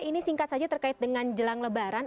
ini singkat saja terkait dengan jelang lebaran